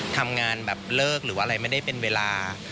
ทำงานแบบเลิกหรือว่าอะไรไม่ได้เป็นเวลา